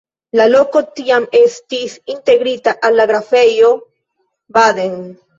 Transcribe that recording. La loko tiam estis integrita al la Grafejo Baden.